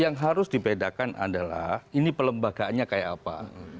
yang harus dipedakan adalah ini pelembaganya kayak apa